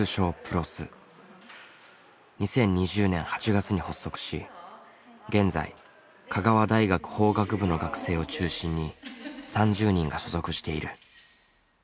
２０２０年８月に発足し現在香川大学法学部の学生を中心に３０人が所属している。